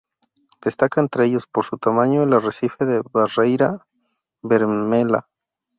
Destaca entre ellos, por su tamaño, el arrecife de "Barreira Vermelha".